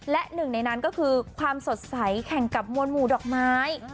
และหนึ่งในนั้นก็คือความสดใสแข่งกับมวลหมู่ดอกไม้